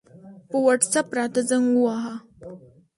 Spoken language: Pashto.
په وټساپ راته زنګ ووهه